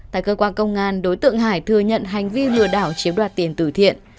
tại cơ quan công an đối tượng hải thừa nhận hành vi lừa đảo chiếm đoạt tiền tử thiện